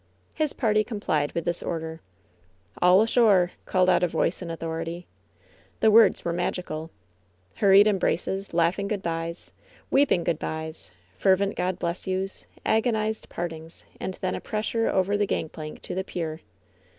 His party complied with this order. "All ashore !" called out a voice in authority. The words were magical. Hurried embraces ; laughing good bys ; weeping good bys; fervent God bless yous; agonized partings; and then a pressure over the gang plank to the pier.